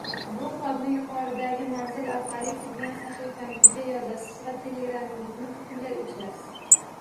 Bu kodni yuqoridagi manzil orqali kirgan sahifangizga yozasiz va Telegramingizni butunlay o’chirasiz